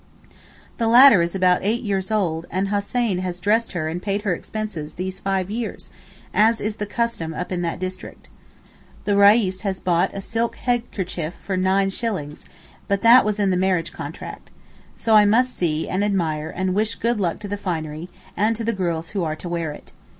(The latter is about eight years old, and Hosein has dressed her and paid her expenses these five years, as is the custom up in that district.) The Reis has bought a silk head kerchief for nine shillings, but that was in the marriage contract. So I must see, admire and wish good luck to the finery, and to the girls who are to wear it.